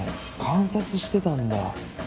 観察してたんだ。